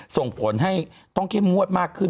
ส่งผลให้ต้องเข้มงวดมากขึ้น